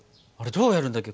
どうやるんだっけ？